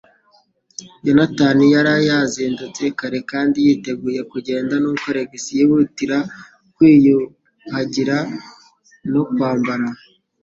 Yonatani yari yazindutse kare kandi yiteguye kugenda, nuko Alex yihutira kwiyuhagira no kwambara.